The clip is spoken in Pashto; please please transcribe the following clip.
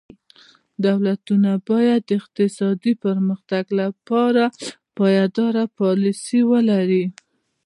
دولتونه باید د اقتصادي پرمختګ لپاره پایداره پالیسي ولري.